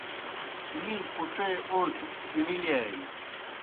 می پُڇے اون٘ٹِھیْ کِݨِلِیانیْ۔